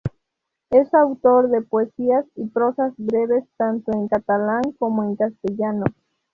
Es autor de poesías y prosas breves tanto en catalán como en castellano.